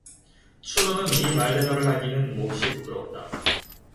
춘우는 이 말대답을 하기는 몹시 부끄러웠다.